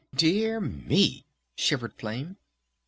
dear me," shivered Flame.